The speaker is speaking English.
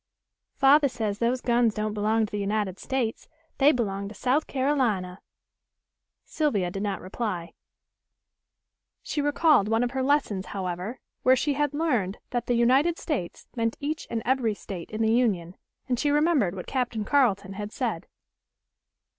"Father says those guns don't belong to the United States, they belong to South Carolina." Sylvia did not reply. She recalled one of her lessons, however, where she had learned that the United States meant each and every State in the Union and she remembered what Captain Carleton had said.